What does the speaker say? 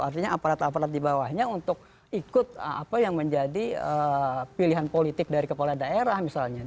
artinya aparat aparat di bawahnya untuk ikut apa yang menjadi pilihan politik dari kepala daerah misalnya